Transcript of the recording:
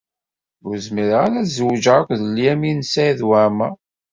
Ur zmireɣ ara ad zewǧeɣ akked Lyamin n Saɛid Waɛmeṛ.